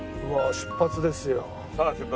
出発ですよ。